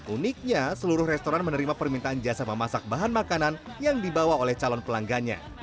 uniknya seluruh restoran menerima permintaan jasa memasak bahan makanan yang dibawa oleh calon pelanggannya